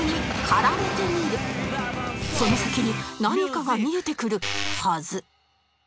その先に何かが見えてくるはず